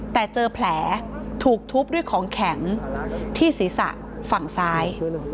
แต่เจอแผลถูกทุบด้วยของแข็งที่ศีรษะฝั่งซ้าย